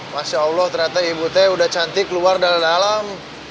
masya allah ternyata ibu teh udah cantik keluar dari dalam